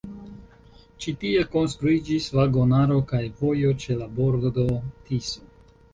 Ĉi tie konstruiĝis vagonaro kaj vojo ĉe la bordo Tiso.